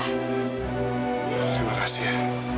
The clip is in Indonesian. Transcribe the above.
terima kasih ya